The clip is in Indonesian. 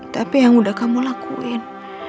tapi yang udah kamu lakuin